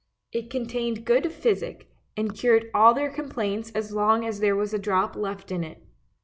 It contained good physic, and cured all their complaints as long as there was a drop left in it.